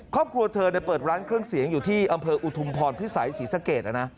ครอบครัวเธอเปิดร้านเครื่องเสียงอยู่ที่อำเภออุทุมพรพิสัยศรีสะเกด